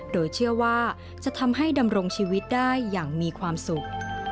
โดยเชื่อว่าจะทำให้ดำรงชีวิตได้อย่างมีความสุข